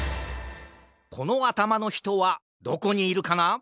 このあたまのひとはどこにいるかな？